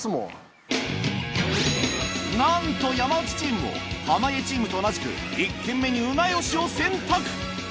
なんと山内チームも濱家チームと同じく１軒目にうなよしを選択。